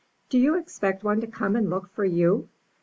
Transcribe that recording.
"Do you expect one to come and look for you?